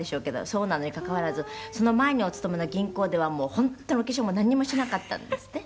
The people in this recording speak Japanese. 「そうなのにかかわらずその前にお勤めの銀行では本当にお化粧もなんにもしなかったんですって？」